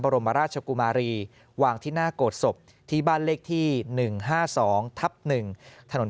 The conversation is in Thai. รมราชกุมารีวางที่หน้าโกรธศพที่บ้านเลขที่๑๕๒ทับ๑ถนน